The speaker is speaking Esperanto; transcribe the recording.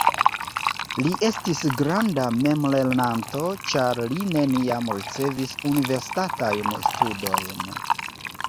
Li estis granda memlernanto ĉar li neniam ricevis universitatajn studojn.